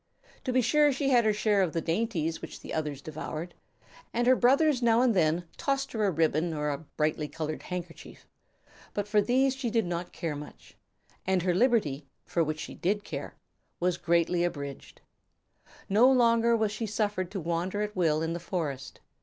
To be sure she had her share of the dainties which the others devoured, and her brothers now and then tossed her a ribbon or a brightly colored handkerchief; but for these she did not much care, and her liberty, for which she did care, was greatly abridged. No longer was she suffered to wander at will in the forest.